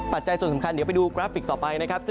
จัยส่วนสำคัญเดี๋ยวไปดูกราฟิกต่อไปนะครับ